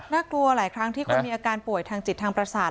กลัวหลายครั้งที่คนมีอาการป่วยทางจิตทางประสาท